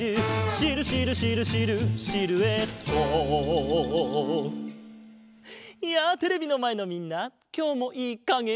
「シルシルシルシルシルエット」やあテレビのまえのみんなきょうもいいかげしてるか？